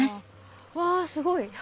うわすごい。